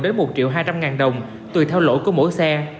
đến một hai trăm linh đồng tùy theo lỗi của mỗi xe